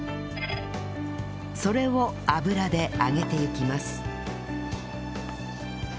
それを油で揚げていきます